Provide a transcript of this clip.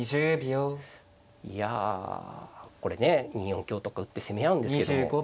２四香とか打って攻め合うんですけども。